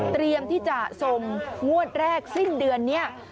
เตรียมที่จะส่งงวดแรกสิ้นเดือนนี้